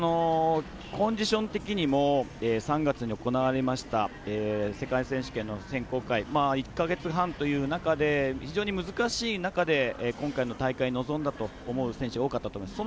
コンディション的にも３月に行われました世界選手権の選考会１か月半という中で非常に難しい中で今回の大会、臨んだ選手が多かったと思います。